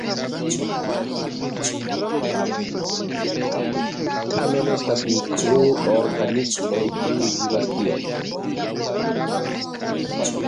Tamen estas mikroorganismoj, kiu vivas tie.